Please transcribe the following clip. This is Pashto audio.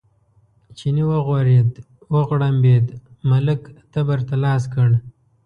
چیني وغورېد، وغړمبېد، ملک تبر ته لاس کړ.